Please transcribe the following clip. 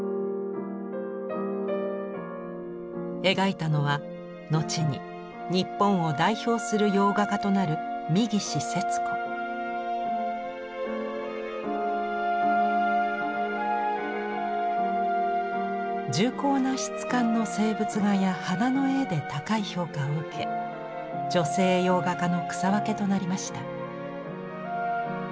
描いたのは後に日本を代表する洋画家となる重厚な質感の静物画や花の絵で高い評価を受け女性洋画家の草分けとなりました。